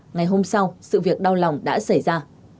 ngày hôm sau sự việc đau lòng đã xảy ra